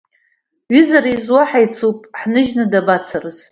Ҩызара изуа ҳицуп, ҳныжьны дабацарыз?!